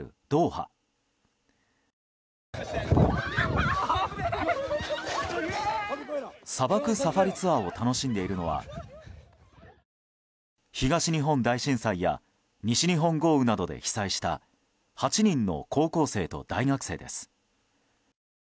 砂漠サファリツアーを楽しんでいるのは東日本大震災や西日本豪雨などで被災した８人の高校生と大学生です。